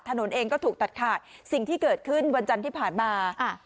ถนนเองก็ถูกตัดขาดสิ่งที่เกิดขึ้นวันจันทร์ที่ผ่านมา